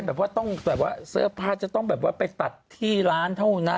แบบว่าต้องแบบว่าเสื้อผ้าจะต้องแบบว่าไปตัดที่ร้านเท่านั้น